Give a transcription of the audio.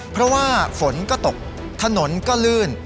เพราะว่าฝนก็ตกถนนก็ลื่น